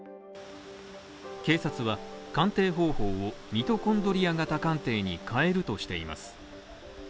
警察は鑑定方法をミトコンドリア型鑑定に変えるとしています。